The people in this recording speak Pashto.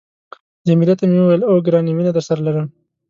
جميله ته مې وویل، اوه، ګرانې مینه درسره لرم.